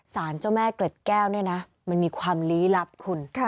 สารเจ้าแม่เกล็ดแก้วเนี่ยนะมันมีความลี้ลับคุณ